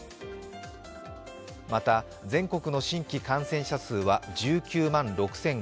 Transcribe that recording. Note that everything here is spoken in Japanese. また、全国の新規感染者数は１９万６５００人。